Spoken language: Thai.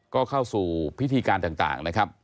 ก็เข้าสู่พิธีการต่างนะครับ